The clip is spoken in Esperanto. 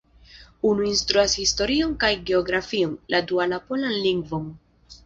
Unu instruas historion kaj geografion, la dua la polan lingvon.